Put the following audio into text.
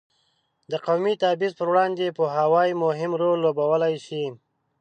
د قومي تبعیض پر وړاندې پوهاوی مهم رول لوبولی شي.